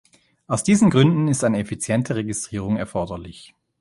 Aus diesen Gründen ist eine effiziente Registrierung erforderlich.